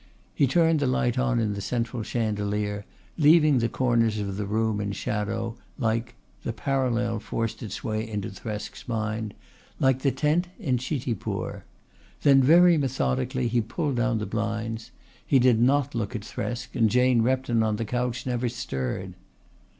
He turned the light on in the central chandelier, leaving the corners of the room in shadow, like the parallel forced its way into Thresk's mind like the tent in Chitipur. Then very methodically he pulled down the blinds. He did not look at Thresk and Jane Repton on the couch never stirred.